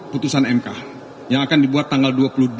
putusan mk yang akan dibuat tanggal dua puluh dua